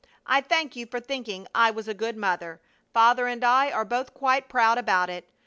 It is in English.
I thank you for thinking I was a good mother. Father and I are both quite proud about it.